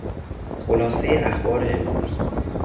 خلاصهی اخبار امروز